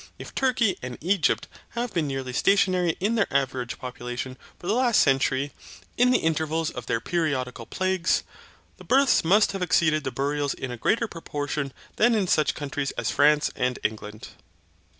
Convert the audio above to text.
If Turkey and Egypt have been nearly stationary in their average population for the last century, in the intervals of their periodical plagues, the births must have exceeded the burials in a greater proportion than in such countries as France and England.